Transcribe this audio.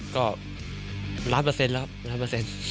ก็ล้านเปอร์เซ็นต์แล้วครับร้อยเปอร์เซ็นต์